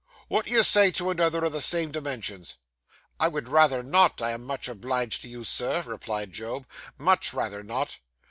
Wot do you say to another o' the same dimensions?' 'I would rather not, I am much obliged to you, Sir,' replied Job 'much rather not.